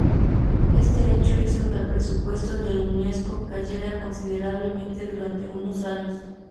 Este hecho hizo que el presupuesto de Unesco cayera considerablemente durante unos años.